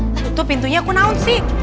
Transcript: tutup pintunya aku naon sih